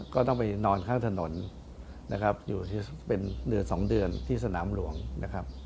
ก็ต้องไปนอนข้างถนนนะครับอยู่ที่เป็นเดือน๒เดือนที่สนามหลวงนะครับ